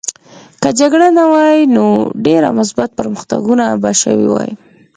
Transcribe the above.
که جګړه نه وای نو ډېر مثبت پرمختګونه به شوي وای